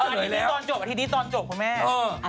ใช่พี่จบประถึงสุดที่พิกกล็อคหรือเปล่า